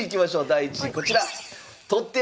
第１位こちら。